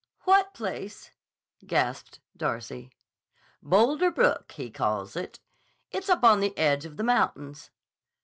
"What place?" gasped Darcy. "Boulder Brook, he calls it. It's up on the edge of the mountains."